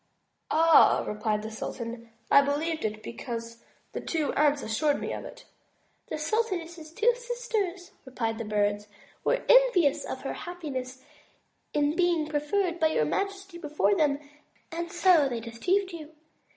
"Ah!" replied the sultan, "I believed it, because the two aunts assured me of it." "The sultaness's two sisters," replied the Bird, "were envious of her happiness in being preferred by your majesty before them> and so they deceived you.